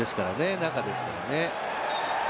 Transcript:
中ですから。